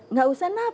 nggak usah nap